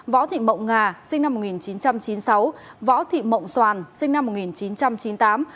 võ thị mộng nga sinh năm một nghìn chín trăm chín mươi sáu võ thị mộng soàn sinh năm một nghìn chín trăm chín mươi tám